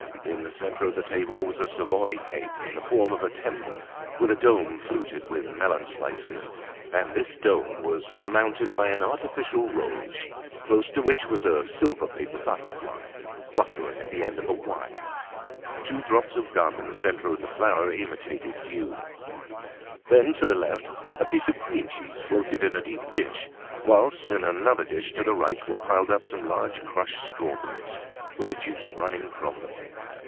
In the centre of the table was a Savoy cake in the form of a temple, with a dome fluted with melon slices; and this dome was surmounted by an artificial rose, close to which was a silver paper butterfly, fluttering at the end of a wire. Two drops of gum in the centre of the flower imitated dew. Then, to the left, a piece of cream cheese floated in a deep dish; whilst in another dish to the right, were piled up some large crushed strawberries, with the juice running from them.